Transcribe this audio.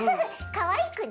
かわいくね！